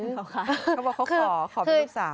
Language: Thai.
ก็บอกเขาขอขอเป็นลูกสาว